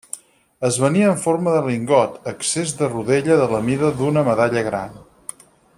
Es venia en forma de lingot accés de Rodella de la mida d'una medalla gran.